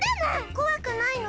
怖くないの？